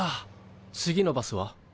次のバスは？